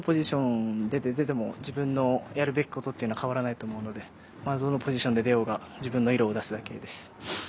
どのポジションで出ても自分のやるべきことは変わらないと思うのでどのポジションで出ようが自分の色を出すだけです。